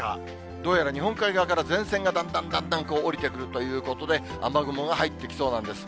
どうやら日本海側から前線がだんだんだんだんおりてくるということで、雨雲が入ってきそうなんです。